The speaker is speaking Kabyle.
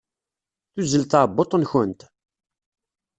Tuzzel tɛebbuḍt-nkent?